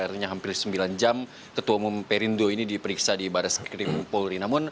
akhirnya hampir sembilan jam ketua umum perindro ini diperiksa di baras krim polri